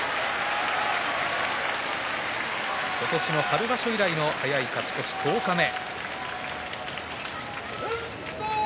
今年の春場所以来の早い勝ち越し十日目。